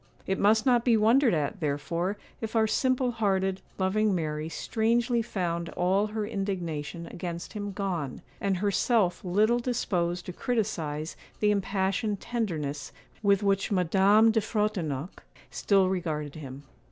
It must not be wondered at, therefore, if our simple hearted, loving Mary strangely found all her indignation against him gone, and herself little disposed to criticise the impassioned tenderness with which Madame de Frontignac still regarded him.